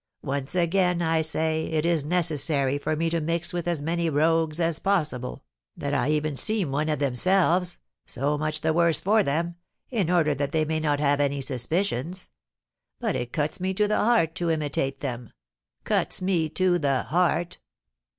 Once again, I say, it is necessary for me to mix with as many rogues as possible, that I even seem one of themselves so much the worse for them in order that they may not have any suspicions; but it cuts me to the heart to imitate them, cuts me to the heart.